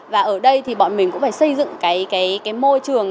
và ở đây thì bọn mình cũng phải xây dựng cái môi trường